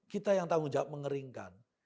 kita yang tanggung jawab mengeringkan